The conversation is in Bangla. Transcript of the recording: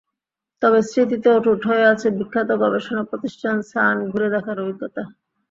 তবে স্মৃতিতে অটুট হয়ে আছে বিখ্যাত গবেষণা প্রতিষ্ঠান সার্ন ঘুরে দেখার অভিজ্ঞতা।